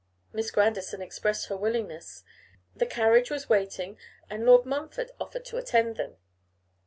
Miss Grandison expressed her willingness: the carriage was waiting, and Lord Montfort offered to attend them.